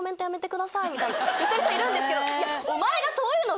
言ってる人いるんですけど。